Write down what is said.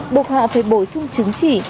buộc họ phải bổ sung chứng chỉ